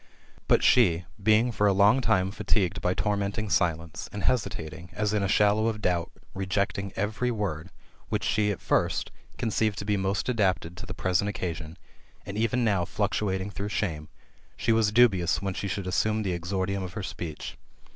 But she, being for a long time fatigued by tormenting silence, and hesitating, as in a shallow of doubt, rejecting every word, which she, at first, conceived to be most adapted to the present occasion, and even now fluctuating through shame, she was dubious whence she should assume the exordium of her speech.